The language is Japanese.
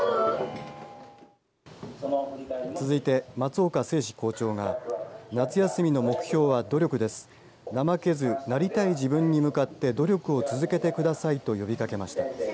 続いて、松岡聖士校長が夏休みの目標は努力です怠けず、なりたい自分に向かって努力を続けてくださいと呼びかけました。